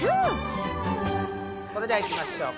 それではいきましょう